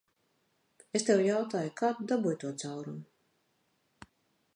Es tev jautāju, kā tu dabūji to caurumu?